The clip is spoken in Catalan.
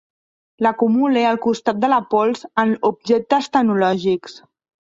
L'acumule al costat de la pols en objectes tecnològics.